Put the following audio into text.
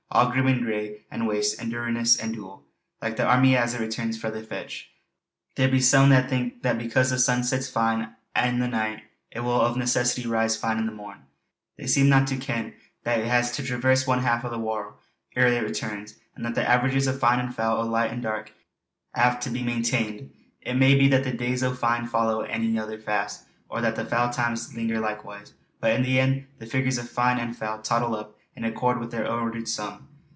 All grim and grey, and waste, and dourness and dool; like the army as it returns frae the fecht. There be some that think that because the sun sets fine i' the nicht, it will of necessity rise fine i' the morn. They seem to no ken that it has to traverse one half o' the warld ere it returns; and that the averages of fine and foul, o' light and dark hae to be aye maintained. It may be that the days o' fine follow ane anither fast; or that the foul times linger likewise. But in the end, the figures of fine and foul tottle up, in accord wi' their ordered sum.